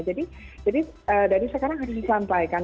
jadi dari sekarang harus disampaikan